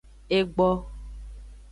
Egbo.